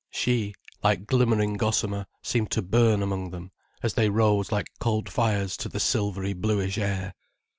She, like glimmering gossamer, seemed to burn among them, as they rose like cold fires to the silvery bluish air.